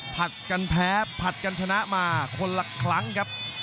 ผลัดกันแพ้ผัดกันชนะมาคนละครั้งครับ